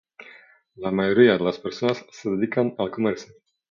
La mayoría de las personas se dedican al comercio.